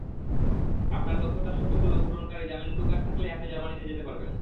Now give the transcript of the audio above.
আপনার দক্ষতার শর্তগুলো পূরণকারী জার্মান ব্লু-কার্ড থাকলেই আপনি জার্মানিতে যেতে পারবেন।